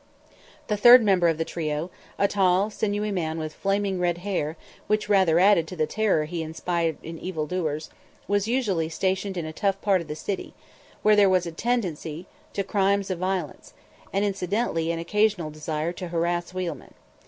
The third member of the trio, a tall, sinewy man with flaming red hair, which rather added to the terror he inspired in evil doers, was usually stationed in a tough part of the city, where there was a tendency to crimes of violence, and incidentally an occasional desire to harass wheelmen.